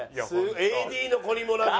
ＡＤの子にもなんか。